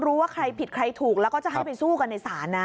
รู้ว่าใครผิดใครถูกแล้วก็จะให้ไปสู้กันในศาลนะ